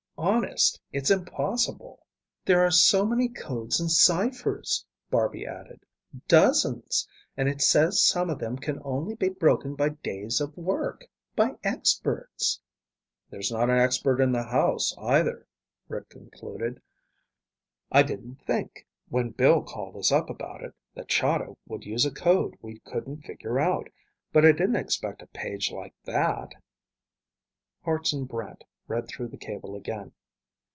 Honest, it's impossible." "There are so many codes and ciphers," Barby added. "Dozens. And it says some of them can only be broken by days of work, by experts." "There's not an expert in the house, either," Rick concluded. "I didn't think, when Bill called us up about it, that Chahda would use a code we couldn't figure out, but I didn't expect a page like that." Hartson Brant read through the cable again.